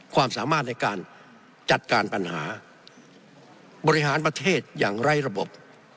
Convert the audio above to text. ความสามารถในการจัดการปัญหาบริหารประเทศอย่างไร้ระบบ